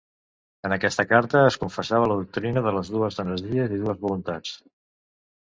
En aquesta carta es confessava la doctrina de les dues energies i dues voluntats.